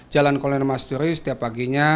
jalan kolonel masturi setiap paginya